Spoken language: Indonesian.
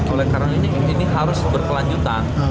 oleh karena ini harus berkelanjutan